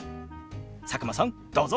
佐久間さんどうぞ！